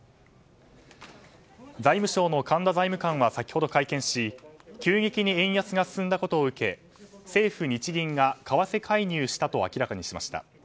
財務省の神田財務官は先ほど会見し急激に円安が進んだことを受け政府・日銀が為替介入したと明らかにしました。